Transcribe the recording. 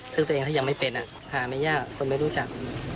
ซึ่งตัวเองเขายังไม่เป็นหาไม่ยากคนไม่รู้จัก